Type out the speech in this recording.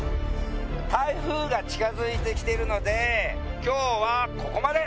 台風が近づいてきてるので今日はここまで！